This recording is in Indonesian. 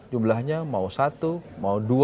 jumlahnya mau satu mau dua